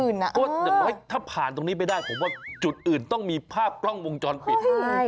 เพราะอย่างน้อยถ้าผ่านตรงนี้ไปได้ผมว่าจุดอื่นต้องมีภาพกล้องวงจรปิด